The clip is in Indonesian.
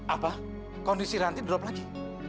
apa kondisi nanti drop lagi